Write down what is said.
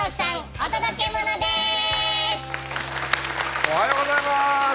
おはようございます。